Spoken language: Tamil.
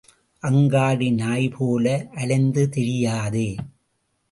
அங்காடி நாய் போல அலைந்து திரியாதே.